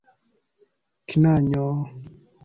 Knanjo...